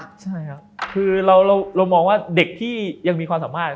ใช่ครับคือเรามองว่าเด็กที่ยังมีความสามารถ